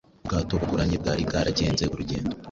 Ubwato bugoramye bwari bwaragenze urugendo